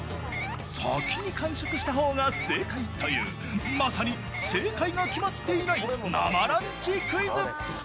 先に完食したほうが正解という、まさに正解が決まっていない生ランチクイズ。